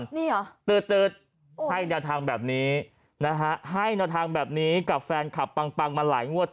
นี่เหรอตื๊ดตื๊ดให้แนวทางแบบนี้กับแฟนคับปังมาหลายงวด